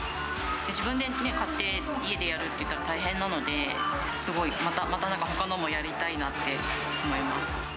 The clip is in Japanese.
自分で買って、家でやるって言ったら大変なので、すごいまたなんかほかのもやりたいなって思います。